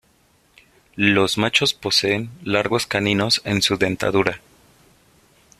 Los machos poseen largos caninos en su dentadura.